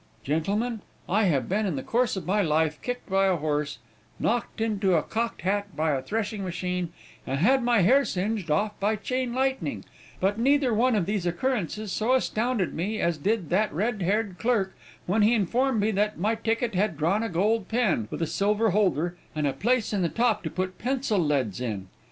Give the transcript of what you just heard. "Gentlemen, I have been, in the course of my life, kicked by a horse, knocked into a cocked hat by a threshing machine, and had my hair singed off by chain lightning, but neither one of these occurrences so astounded me as did that red haired clerk, when he informed me that my ticket had drawn a gold pen, with a silver holder, and a place in the top to put pencil leads in.